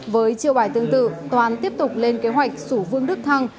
với triệu bài tương tự toàn tiếp tục lên kế hoạch xủ vương đức thăng